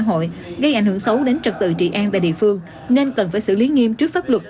hội gây ảnh hưởng xấu đến trật tự trị an tại địa phương nên cần phải xử lý nghiêm trước pháp luật